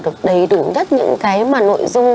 để đầy đủ nhất những cái nội dung